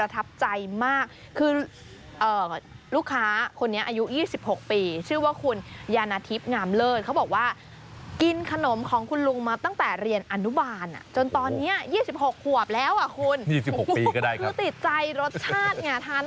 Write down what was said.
ขวบแล้วอ่ะคุณดีสิบหกปีก็ได้ครับถือติดใจรสชาติเนี้ยทานตั้งแต่สี่ขวบเอาง่ายง่ายสูงมาก